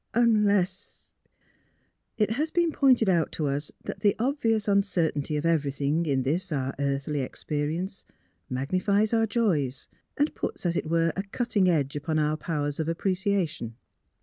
*' Unless " It has been pointed out to us that the obvious un certainty of everything in this our earthly experi ence magnifies our joys, and puts, as it were, a cutting edge upon our powers of appreciation.